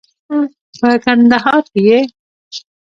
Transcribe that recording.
په کندهار کې یې